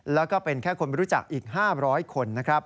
และก็เป็นแค่คนรู้จักอีก๕๐๐คน